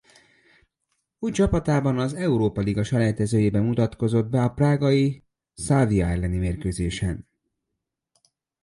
Új csapatában az Európa-liga selejtezőjében mutatkozott be a prágai Slavia elleni mérkőzésen.